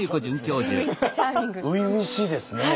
初々しいですね！